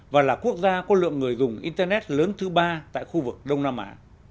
và là quốc gia có lượng người dùng internet lớn thứ ba tại khu vực đông nam á